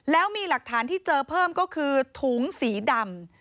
แล้วมีหลักฐานที่เจอเพิ่มก็คือถุงสีดำ